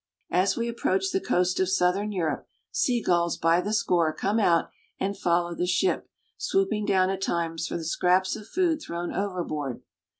As we approach the coast of southern Europe, sea gulls by the score come out and follow the ship, swooping down at times for the scraps of food thrown overboard.